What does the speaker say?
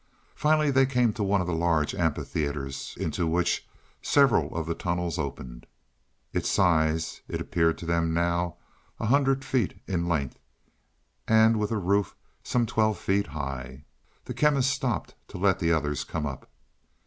Finally they came to one of the large amphitheaters into which several of the tunnels opened. In size, it appeared to them now a hundred feet in length and with a roof some twelve feet high. The Chemist stopped to let the others come up.